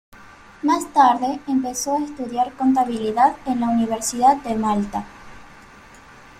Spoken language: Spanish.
Más tarde, empezó a estudiar Contabilidad en la Universidad de Malta.